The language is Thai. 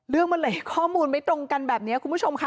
เรื่องมันเลยข้อมูลไม่ตรงกันแบบนี้คุณผู้ชมค่ะ